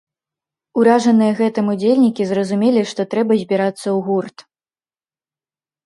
Уражаныя гэтым удзельнікі зразумелі, што трэба збірацца ў гурт.